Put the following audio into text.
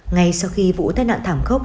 ngay sau khi vụ thai nạn thảm khốc